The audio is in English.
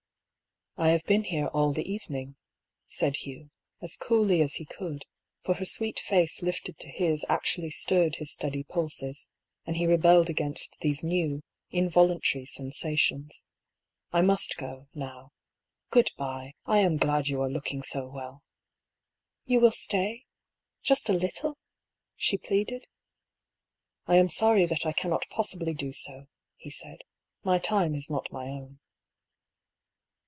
" I have been here all the evening," said Hugh, as coolly as he could, for her sweet face lifted to his actu ally stirred his steady pulses, and he rebelled against these new, involuntary sensations. " I must go, now. Good bye ! I am glad you are looking so well." "You will stay? Just a little while?" she pleaded. " I am sorry that I cannot possibly do so," he said. " My time is not my own."